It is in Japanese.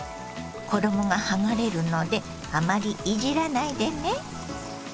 衣が剥がれるのであまりいじらないでね。